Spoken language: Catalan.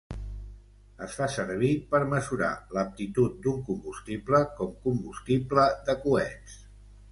Es fa servir per mesurar l'aptitud d'un combustible com combustible de coets.